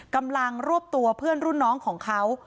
กำลังรวบตัวเพื่อนรุ่นน้องของเขา